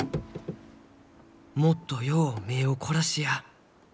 もっとよう目を凝らしや。